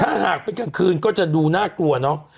ถ้าหากเป็นกลางคืนก็จะดูน่ากลัวเนอะ